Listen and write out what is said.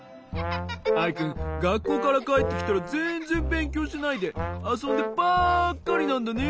アイくんがっこうからかえってきたらぜんぜんべんきょうしないであそんでばっかりなんだね？